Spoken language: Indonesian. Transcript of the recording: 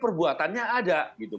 perbuatan menembakkan guys air mata